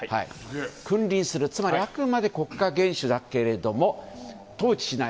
君臨する、つまりあくまで国家元首だけども統治しない。